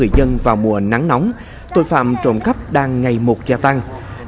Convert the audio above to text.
với tình hình tội phạm trộm cắp tội phạm trộm cắp đang ngày một gia tăng